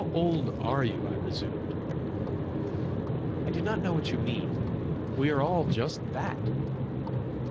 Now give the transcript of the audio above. "How old are you?" I resumed. "I do not know what you mean. We are all just that."